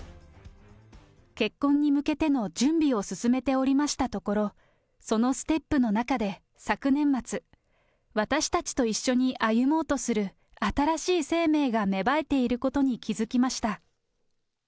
結婚に向けての準備を進めておりましたところ、そのステップの中で昨年末、私たちと一緒に歩もうとする新しい生命が芽生えていることに気付きました。